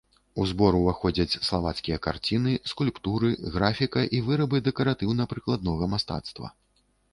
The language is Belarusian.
У збор уваходзяць славацкія карціны, скульптуры, графіка і вырабы дэкаратыўна-прыкладнага мастацтва.